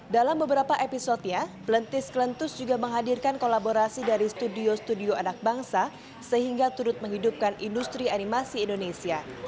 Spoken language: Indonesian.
dalam beberapa episodenya pelentis kelentus juga menghadirkan kolaborasi dari studio studio anak bangsa sehingga turut menghidupkan industri animasi indonesia